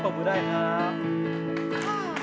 สวัสดีครับ